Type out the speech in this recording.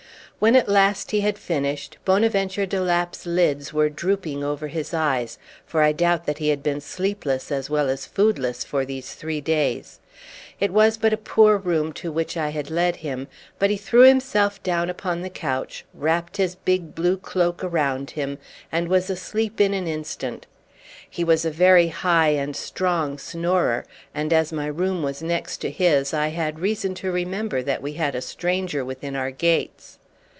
When at last he had finished Bonaventure de Lapp's lids were drooping over his eyes, for I doubt that he had been sleepless as well as foodless for these three days. It was but a poor room to which I had led him, but he threw himself down upon the couch, wrapped his big blue cloak around him, and was asleep in an instant. He was a very high and strong snorer, and, as my room was next to his, I had reason to remember that we had a stranger within our gates.